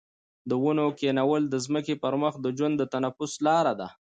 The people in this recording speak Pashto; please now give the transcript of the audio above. د ونو کښېنول د ځمکې پر مخ د ژوند د تنفس لاره ده.